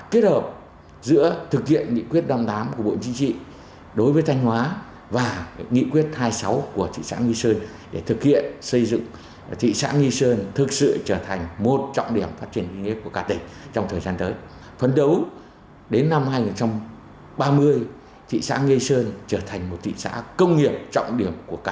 kết hợp giữa thực hiện nghị quyết năm mươi tám của bộ chính trị